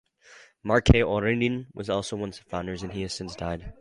Mark K. Odiorne was also one of founders, and he has since died.